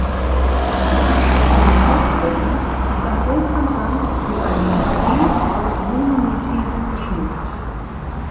Das achteckige Taufbecken ist am oberen Rand mit einem Fries aus Blumenmotiven geschmückt.